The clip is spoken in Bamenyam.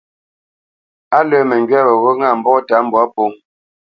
Á lə̄ məŋgywá weghó ŋâ mbɔ́ta mbwǎ pō.